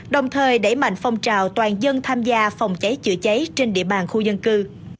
đồng thời đẩy mạnh phong trào toàn dân tham gia phòng cháy chữa cháy trên địa bàn khu dân cư